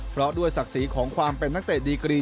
เพราะด้วยศักดิ์ศรีของความเป็นนักเตะดีกรี